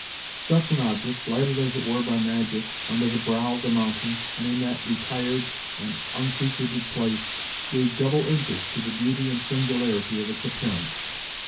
Such an object, lighted as it were by magic, under the brow of the mountain, and in that retired and unfrequented place, gave double interest to the beauty and singularity of its appearance.